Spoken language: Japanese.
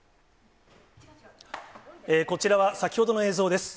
こちらは先ほどの映像です。